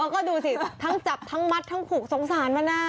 ก็ดูสิทั้งจับทั้งมัดทั้งผูกสงสารมานะ